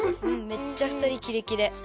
めっちゃふたりキレキレ。